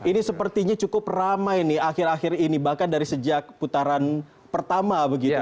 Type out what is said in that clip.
ini sepertinya cukup ramai nih akhir akhir ini bahkan dari sejak putaran pertama begitu